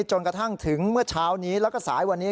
จนกระทั่งถึงเมื่อเช้านี้แล้วก็สายวันนี้